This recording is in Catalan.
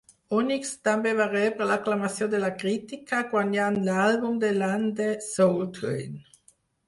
Onyx també va rebre l'aclamació de la crítica, guanyant l'àlbum de l'any de Soul Train.